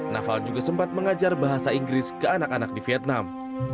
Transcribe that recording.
naval juga sempat mengajar bahasa inggris ke anak anak di vietnam